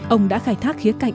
ông đã khai thác khía cạnh